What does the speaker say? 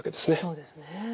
そうですね。